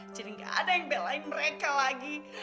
jadi gak ada yang belain mereka lagi